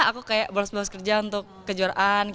aku kayak balas balas kerja untuk kejuaraan